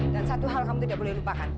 dan satu hal kamu tidak boleh lupakan